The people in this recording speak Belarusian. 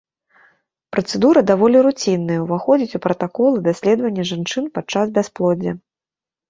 Працэдура даволі руцінная, уваходзіць у пратаколы даследавання жанчын падчас бясплоддзя.